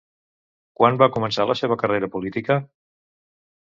Quan va començar la seva carrera política?